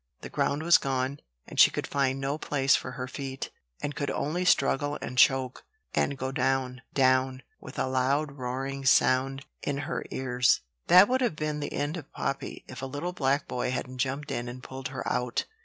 The ground was gone, and she could find no place for her feet, and could only struggle and choke, and go down, down, with a loud roaring sound in her ears. That would have been the end of Poppy, if a little black boy hadn't jumped in and pulled her out.